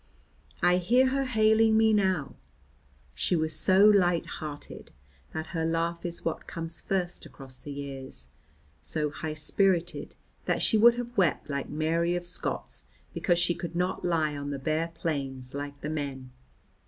I hear her hailing me now. She was so light hearted that her laugh is what comes first across the years; so high spirited that she would have wept like Mary of Scots because she could not lie on the bare plains like the men.